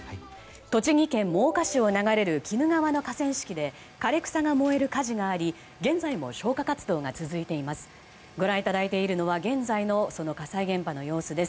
栃木県真岡市を流れる鬼怒川の河川敷で枯れ草が燃える火事があり現在も消火活動が続いています。